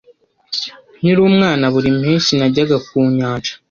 Nkiri umwana, buri mpeshyi najyaga ku nyanja.